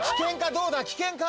どうだ危険か？